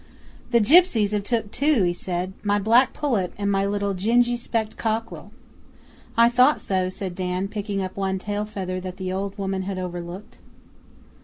'They gipsies have took two,' he said. 'My black pullet and my liddle gingy speckled cockrel.' 'I thought so,' said Dan, picking up one tail feather that the old woman had overlooked.